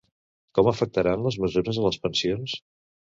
Com afectaran les mesures a les pensions?